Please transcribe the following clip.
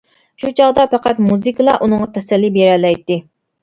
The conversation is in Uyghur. شۇ چاغدا پەقەت مۇزىكىلا ئۇنىڭغا تەسەللى بېرەلەيتتى.